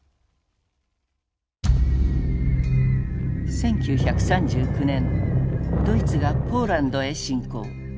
１９３９年ドイツがポーランドへ侵攻。